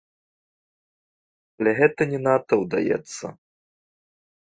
Але гэта не надта ўдаецца.